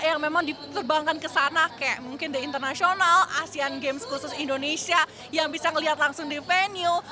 yang memang diterbangkan ke sana kayak mungkin di internasional asean games khusus indonesia yang bisa ngeliat langsung di venue